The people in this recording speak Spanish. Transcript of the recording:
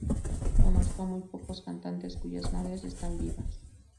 Conozco a muy pocos cantantes cuyas madres están vivas.